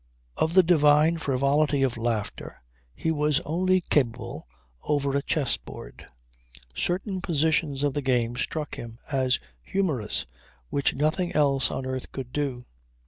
Of the divine frivolity of laughter he was only capable over a chess board. Certain positions of the game struck him as humorous, which nothing else on earth could do